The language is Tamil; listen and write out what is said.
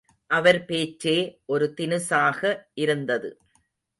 அவர் பேச்சே ஒரு தினுசாக இருந்தது.